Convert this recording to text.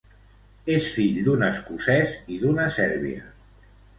És fill d'un escocès i d'una sèrbia.